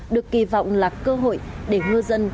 được kỳ vọng là cơ hội để ngư dân